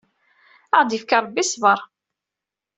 Ad aɣ-d-yefk Ṛebbi ṣṣber!